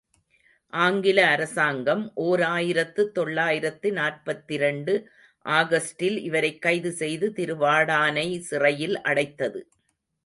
ஆங்கில அரசாங்கம் ஓர் ஆயிரத்து தொள்ளாயிரத்து நாற்பத்திரண்டு ஆகஸ்டில் இவரைக் கைது செய்து திருவாடானை சிறையில் அடைத்தது.